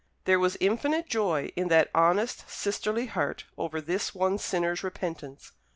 There was infinite joy in that honest sisterly heart over this one sinner's repentance.